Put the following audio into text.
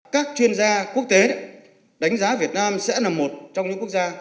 các chuyên gia quốc tế đánh giá việt nam sẽ là một trong những quốc gia